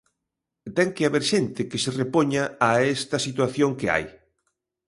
Ten que haber xente que se repoña a esta situación que hai.